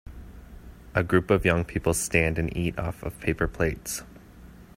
A group of young people stand and eat off of paper plates.